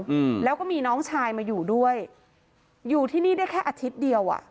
อืมแล้วก็มีน้องชายมาอยู่ด้วยอยู่ที่นี่ได้แค่อาทิตย์เดียวอ่ะ